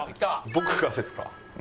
僕がですか？